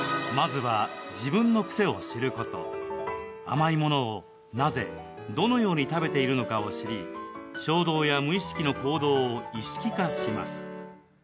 甘いものを、なぜどのように食べているのかを知り衝動や無意識の行動を意識化します。